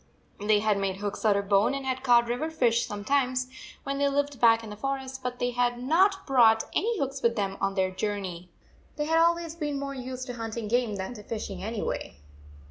They had made hooks out of bone and had caught river fish sometimes when they lived back in the forest, but they had not brought any hooks with them on their jour 148 ney. They had always been more used to hunting game than to fishing, anyway.